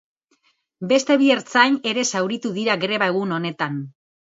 Beste bi ertzain ere zauritu dira greba egun honetan.